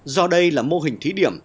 do đây là mô hình thí điểm